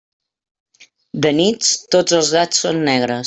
De nits, tots els gats són negres.